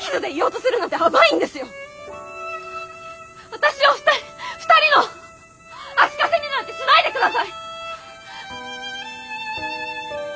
私を２人の足かせになんてしないで下さい！